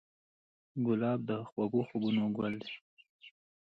ګلاب د خوږو خوبونو ګل دی.